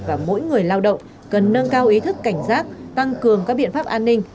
và mỗi người lao động cần nâng cao ý thức cảnh giác tăng cường các biện pháp an ninh